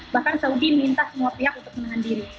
bahkan saudi minta semua pihak untuk menahan diri